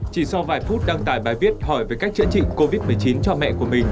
chỉ sau vài phút đăng tải bài viết hỏi về cách chữa trị covid một mươi chín cho mẹ của mình